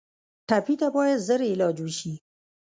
ټپي ته باید ژر علاج وشي.